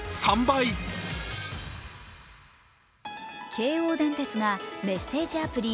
京王電鉄がメッセージアプリ